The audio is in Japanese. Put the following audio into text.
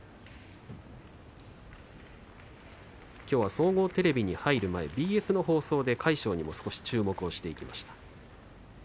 きょうは総合テレビに入る前ＢＳ放送で魁勝に少し注目をしました。